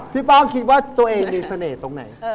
ป้าคิดว่าตัวเองมีเสน่ห์ตรงไหน